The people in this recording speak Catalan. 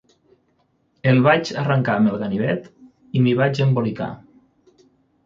El vaig arrencar amb el ganivet i m'hi vaig embolicar